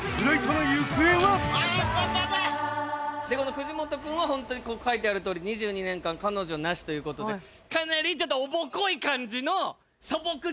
そしてこの藤本くんは本当にここ書いてある通り２２年間彼女なしという事でかなりちょっとおぼこい感じの。